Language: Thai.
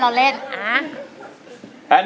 ร้องได้ให้ร้อง